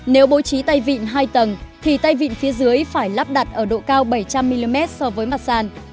nếu bố trí tay vịn hai tầng thì tay vịn phía dưới phải lắp đặt ở độ cao bảy trăm linh mm so với mặt sàn